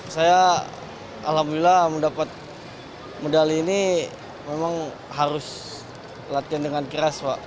saya alhamdulillah mendapat medali ini memang harus latihan dengan keras pak